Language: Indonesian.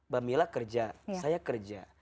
bami lah kerja saya kerja